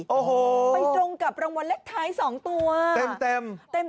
โอ้โหไปตรงกับรางวัลเลขท้าย๒ตัวเต็มเต็ม